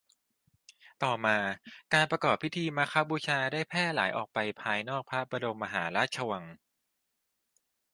ต่อมาการประกอบพิธีมาฆบูชาได้แพร่หลายออกไปภายนอกพระบรมมหาราชวัง